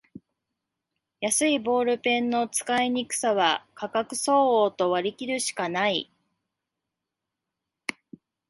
安いボールペンの使いにくさは価格相応と割りきるしかない